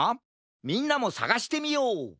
みんなもさがしてみよう！